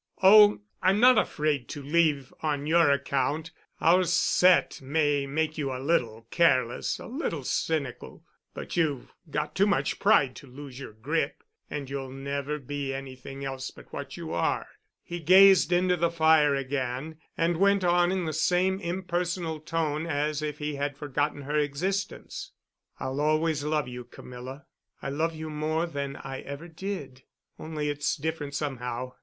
"Oh, I'm not afraid to leave on your account. Our set may make you a little careless, a little cynical, but you've got too much pride to lose your grip—and you'll never be anything else but what you are." He gazed into the fire again and went on in the same impersonal tone as if he had forgotten her existence. "I'll always love you, Camilla.... I love you more now than I ever did—only it's different somehow....